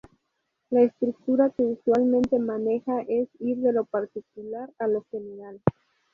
La estructura que usualmente maneja es ir de lo particular a lo general.